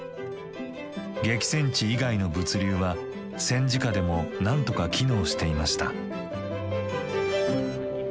激戦地以外の物流は戦時下でもなんとか機能していました。